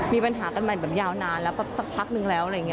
มีปัญหากันใหม่แบบยาวนานแล้วก็สักพักนึงแล้วอะไรอย่างนี้